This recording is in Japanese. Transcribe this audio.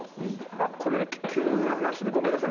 あっこれね急な話でごめんなさい。